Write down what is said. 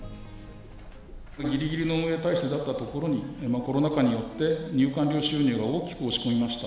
ぎりぎりの運営体制だったところに、コロナ禍によって入館料収入が大きく落ち込みました。